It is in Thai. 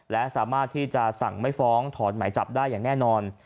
และสามารถที่จะสั่งไม่ฟ้องถอนหมายจับได้อย่างแน่นอน